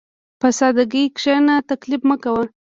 په سادهګۍ کښېنه، تکلف مه کوه.